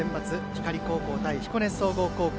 光高校対彦根総合高校。